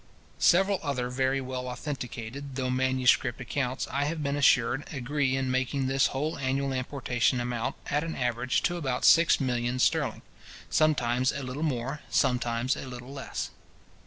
Several other very well authenticated, though manuscript accounts, I have been assured, agree in making this whole annual importation amount, at an average, to about six millions sterling; sometimes a little more, sometimes a little less.